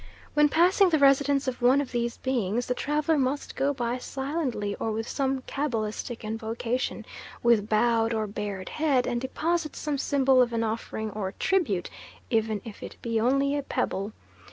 When passing the residence of one of these beings, the traveller must go by silently, or with some cabalistic invocation, with bowed or bared head, and deposit some symbol of an offering or tribute even if it be only a pebble.